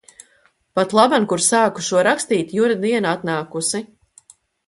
Patlaban, kur sāku šo rakstīt, Jura diena atnākusi.